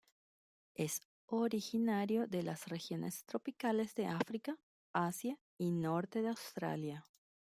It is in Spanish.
Es originario de las regiones tropicales de África, Asia y norte de Australia.